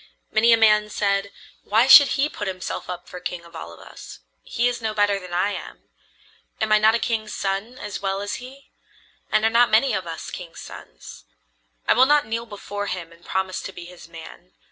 Many a man said: "Why should he put himself up for king of all of us? He is no better than I am. Am I not a king's son as well as he? And are not many of us kings' sons? I will not kneel before him and promise to be his man.